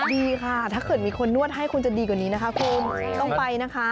ดีค่ะถ้าเกิดมีคนนวดให้คุณจะดีกว่านี้นะคะคุณต้องไปนะคะ